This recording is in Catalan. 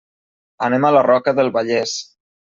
Anem a la Roca del Vallès.